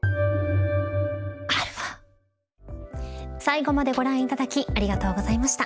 最後までご覧いただきありがとうございました。